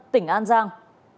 tỉnh an giang